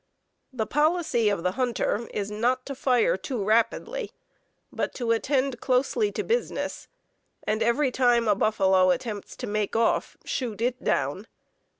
The policy of the hunter is to not fire too rapidly, but to attend closely to business, and every time a buffalo attempts to make off, shoot it down.